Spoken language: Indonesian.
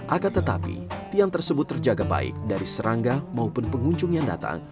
akan tetapi tiang tersebut terjaga baik dari serangga maupun pengunjung yang datang